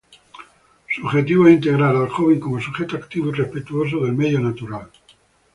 Su objetivo es integrar al joven como sujeto activo y respetuoso del medio natural.